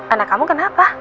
anak kamu kenapa